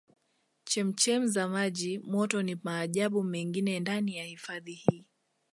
Chemchem za maji moto ni maajabu mengine ndani ya hifadhi hii